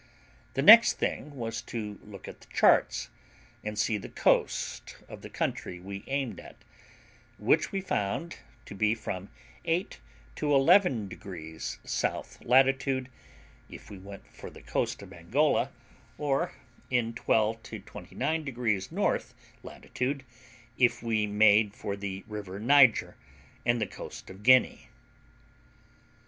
The next thing was to look on the charts, and see the coast of the country we aimed at, which we found to be from 8 to 11 degrees south latitude, if we went for the coast of Angola, or in 12 to 29 degrees north latitude, if we made for the river Niger, and the coast of Guinea.